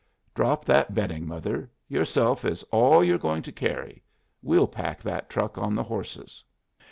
Drop that bedding mother! Yourself is all you're going to carry. We'll pack that truck on the horses."